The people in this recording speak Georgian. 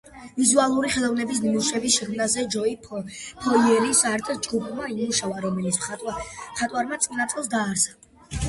ვიზუალური ხელოვნების ნიმუშების შექმნაზე ჯოი ფოიერის არტ ჯგუფმა იმუშავა, რომელიც მხატვარმა წინა წელს დაარსა.